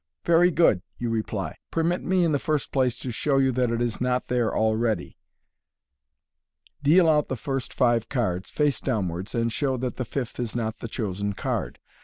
"Very good," you reply j " permit me, in the first place, to show you that it is not there already." Deal out the first five cards, face downwards, and show that the fifth is not the chosen card.